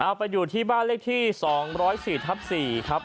เอาไปอยู่ที่บ้านเลขที่๒๐๔ทับ๔ครับ